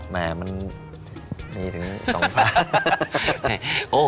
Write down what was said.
แต่มันมีถึง๒ภาพ